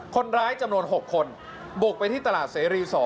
คนร้ายจำนวน๖คนบุกไปที่ตลาดซีรีส์๒